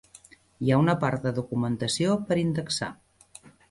Hi ha una part de documentació per indexar.